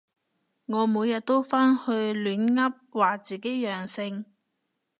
我每日都返去亂噏話自己陽性